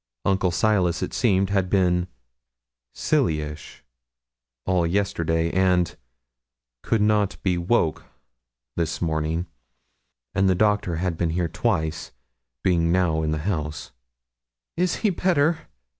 Uncle Silas, it seemed, had been 'silly ish' all yesterday, and 'could not be woke this morning,' and 'the doctor had been here twice, being now in the house.' 'Is he better?'